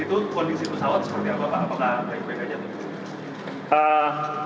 itu kondisi pesawat seperti apa pak apakah baik bedanya